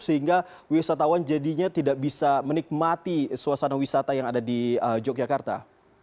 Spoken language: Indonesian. sehingga wisatawan jadinya tidak bisa menikmati suasana wisata yang ada di yogyakarta